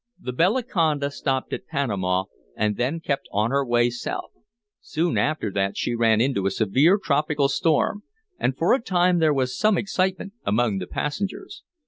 The Bellaconda stopped at Panama and then kept on her way south. Soon after that she ran into a severe tropical storm, and for a time there was some excitement among the passengers.